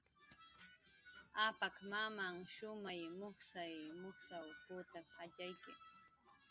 Apak mamanh shumay mujsay mujsw putak jatxayki